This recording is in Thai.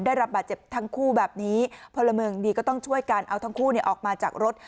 ได้รับบาดเจ็บทั้งคู่แบบนี้พลเมืองดีก็ต้องช่วยกันเอาทั้งคู่ออกมาจากรถ